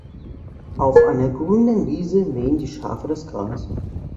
Auf einer grünen Wiese mähen die Schafe das Gras.